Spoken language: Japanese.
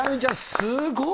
すごーい。